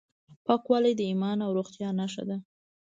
پاکوالی د ایمان او روغتیا نښه ده.